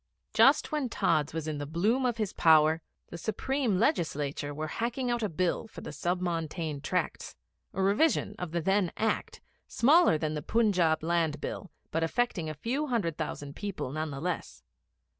Just when Tods was in the bloom of his power, the Supreme Legislature were hacking out a Bill for the Sub Montane Tracts, a revision of the then Act, smaller than the Punjab Land Bill, but affecting a few hundred thousand people none the less.